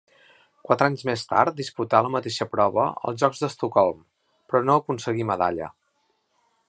Quatre anys més tard disputà la mateixa prova als Jocs d'Estocolm, però no aconseguí medalla.